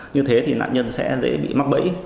như thế thì nạn nhân sẽ dễ bị mắc bẫy